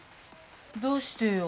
どうしてよ。